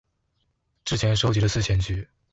之前收集的四千句